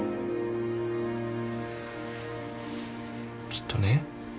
きっとね